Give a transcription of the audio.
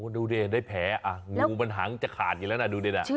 ดูดิได้แผลงูมันหางจะขาดอยู่แล้วนะดูดิ